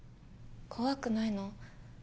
怖くないの？